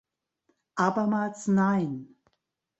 Abermals "Nein".